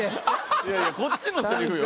いやいやこっちのセリフよ。